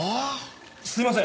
すいません！